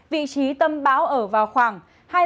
vị trí tâm báo ở vào khoảng